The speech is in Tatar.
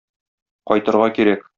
Кайтырга кирәк.